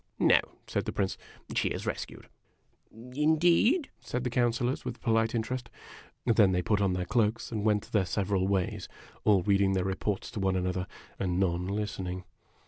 " No," said the Prince ;" she is rescued." " Indeed ?" said the Councilors, with polite interest. Then they put on their cloaks and went their several ways, all reading their reports to one another, and none listening.